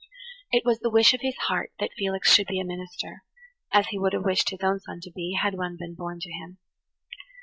It was the wish of his heart that Felix should be a minister, as he would have wished his own son to be, had one been born to him.